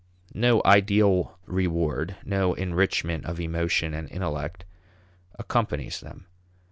No ideal reward, no enrichment of emotion and intellect, accompanies them.